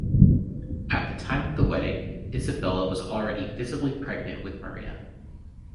At the time of the wedding, Isabella was already visibly pregnant with Maria.